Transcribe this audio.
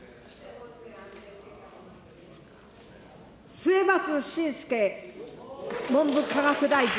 末松信介文部科学大臣。